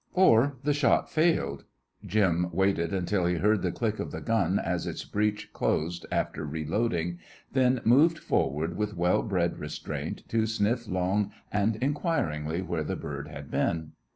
Or the shot failed. Jim waited until he heard the click of the gun as its breech closed after reloading, then moved forward with well bred restraint to sniff long and inquiringly where the bird had been.